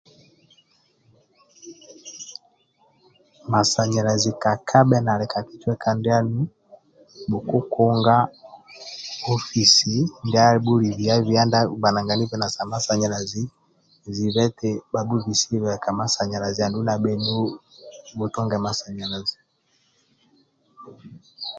Masanyalazi kakabhe nali ka kicweka ndianu bhukunga ofisi ndia abhuli bia bia ndia agbanaganibe na ka masanyalazi zibe eti bhabhubisebe ka masanyalazi ndulu na bhenu bhabhubisibe ka masanyalazi